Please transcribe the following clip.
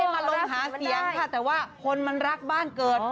มาลงหาเสียงค่ะแต่ว่าคนมันรักบ้านเกิด